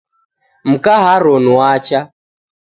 Mka Haron wacha.